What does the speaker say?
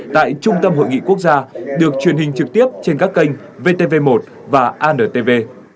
tại trung tâm hội nghị quốc gia được truyền hình trực tiếp trên các kênh vtv một và antv